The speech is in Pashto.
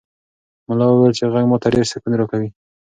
ملا وویل چې غږ ماته ډېر سکون راکوي.